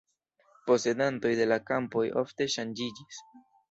Posedantoj de la kampoj ofte ŝanĝiĝis.